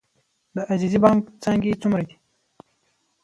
د عزیزي بانک څانګې څومره دي؟